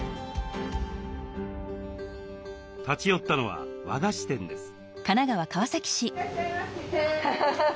立ち寄ったのは和菓子店です。